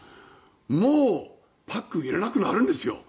もうパックンいらなくなるんですよ。